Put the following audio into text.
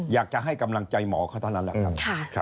อยากจะให้กำลังใจหมอเขาตอนนั้นแหละ